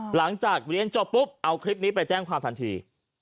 หลังจากเรียนจบปุ๊บเอาคลิปนี้ไปแจ้งความทันที